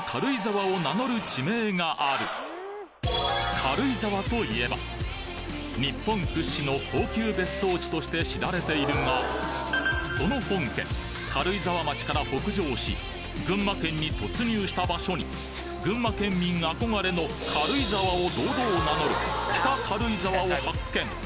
軽井沢といえば日本屈指の高級別荘地として知られているがその本家軽井沢町から北上し群馬県に突入した場所に群馬県民憧れの軽井沢を堂々名乗る北軽井沢を発見